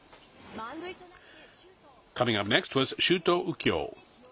満塁となって周東。